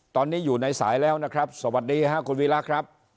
ตอนนี้อยู่ในสายแล้วนะครับสวัสดีค่ะคุณวีระครับ